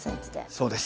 そうです。